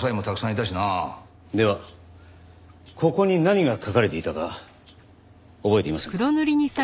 ではここに何が書かれていたか覚えていませんか？